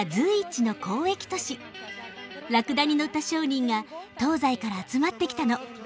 ラクダに乗った商人が東西から集まってきたの。